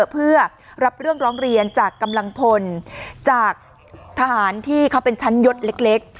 เพื่อรับเรื่องร้องเรียนจากกำลังพลจากทหารที่เขาเป็นชั้นยศเล็ก